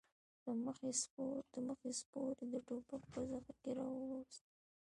د مخې سپور يې د ټوپک په زخه کې راووست.